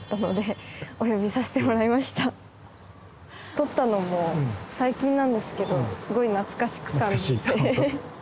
撮ったのも最近なんですけどすごい懐かしく感じて懐かしいホント？